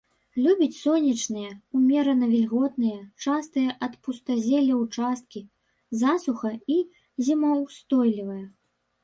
Любіць сонечныя, умерана вільготныя, чыстыя ад пустазелля ўчасткі, засуха- і зімаўстойлівая.